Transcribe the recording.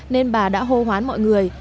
nên bà đã hô hoán mọi người